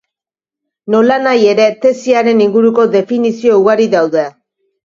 Nolanahi ere, tesiaren inguruko definizio ugari daude.